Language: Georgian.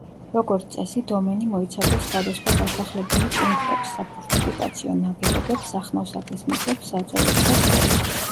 როგორც წესი, დომენი მოიცავდა სხვადასხვა დასახლებული პუნქტებს, საფორტიფიკაციო ნაგებობებს, სახნავ-სათეს მიწებს, საძოვრებს და ტყეებს.